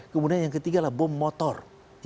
kemudian yang ketiga adalah bom motor